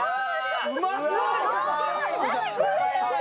うまそー。